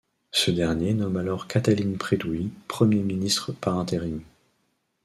Ce dernier nomme alors Cătălin Predoiu Premier ministre par intérim.